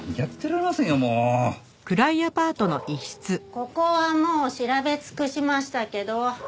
ここはもう調べ尽くしましたけど。